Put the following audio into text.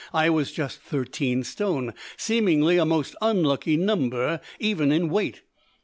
I was just thirteen stone, seemingly a most unlucky number even in weight!